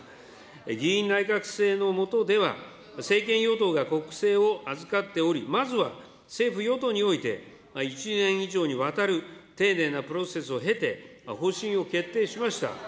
議院内閣制の下では、政権与党が国政を預かっており、まずは政府・与党において、１年以上にわたる丁寧なプロセスを経て、方針を決定しました。